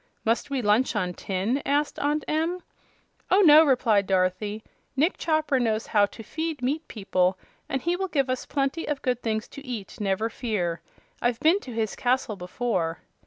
"Must we lunch on tin?" asked Aunt Em. "Oh, no;" replied Dorothy. "Nick Chopper knows how to feed meat people, and he will give us plenty of good things to eat, never fear. I've been to his castle before."